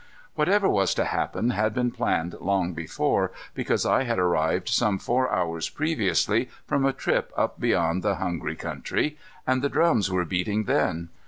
Whatever was to happen had been planned long before, because I had arrived some four hours previously from a trip up beyond the Hungry Country, and the drums were beating then.